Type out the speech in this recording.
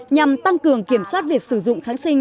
nhằm tăng cường kiểm soát việc sử dụng kháng sinh